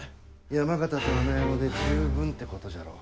山県と穴山で十分ってことじゃろう。